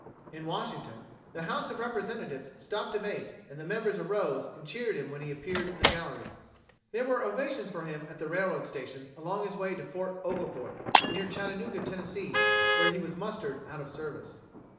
In Washington the House of Representatives stopped debate and the members arose and cheered him when he appeared in the gallery. There were ovations for him at the railroad stations along his way to Fort Oglethorpe, near Chattanooga, Tennessee, where he was mustered out of service.